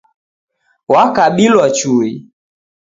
Wakabilwa chui